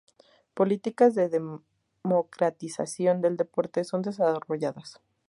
Políticas de democratización del deporte son desarrolladas.